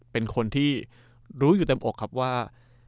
เป็นคนที่รู้อยู่เต็มอกครับว่า